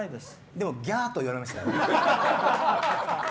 でも、ギャー！とは言われましたよね。